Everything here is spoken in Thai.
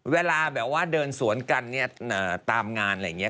เวลาแบบว่าเดินสวนกันเนี่ยตามงานอะไรอย่างนี้